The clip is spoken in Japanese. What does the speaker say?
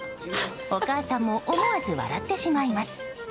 お母さんも思わず笑ってしまいます。